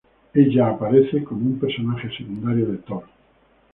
Ella aparece como un personaje secundario de Thor.